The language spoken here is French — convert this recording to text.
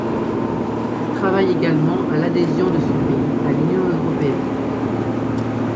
Il travaille également à l'adhésion de son pays à l'Union européenne.